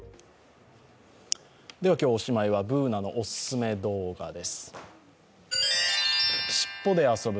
では今日はおしまいはＢｏｏｎａのおすすめ動画です。